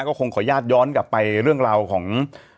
ก็คงขออนุญาตย้อนกลับไปเรื่องราวของ